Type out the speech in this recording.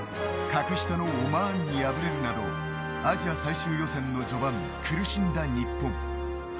格下のオマーンに敗れるなどアジア最終予選の序盤苦しんだ日本。